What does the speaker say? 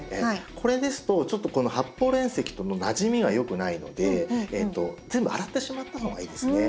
これですとちょっとこの発泡煉石とのなじみがよくないので全部洗ってしまった方がいいですね。